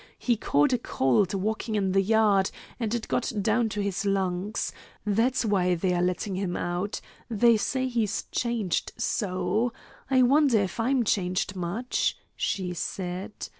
He caught a cold walking in the yard, and it got down to his lungs. That's why they are letting him out. They say he's changed so. I wonder if I'm changed much?" she said.